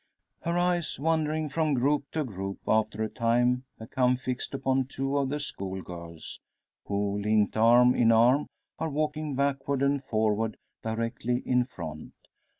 Her eyes wandering from group to group, after a time become fixed upon two of the school girls; who linked arm in arm are walking backward and forward, directly in front.